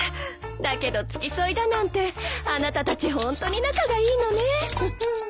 だけど付き添いだなんてあなたたちホントに仲がいいのね。